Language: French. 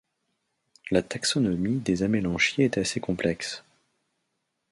La taxonomie des amélanchiers est assez complexe.